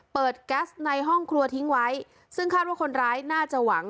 แก๊สในห้องครัวทิ้งไว้ซึ่งคาดว่าคนร้ายน่าจะหวัง